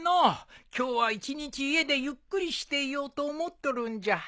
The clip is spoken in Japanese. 今日は一日家でゆっくりしていようと思っとるんじゃ。